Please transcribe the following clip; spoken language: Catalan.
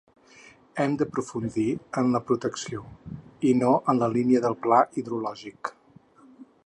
Hem d’aprofundir en la protecció, i no en la línia del pla hidrològic.